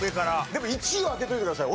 でも１位を開けておいてください。